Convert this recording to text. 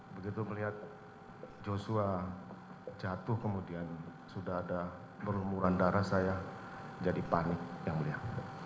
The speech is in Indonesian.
begitu melihat yosua jatuh kemudian sudah ada berumuran darah saya jadi panik yang melihat